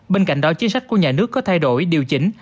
bên cạnh đó chính sách của nhà nước có thay đổi điều chỉnh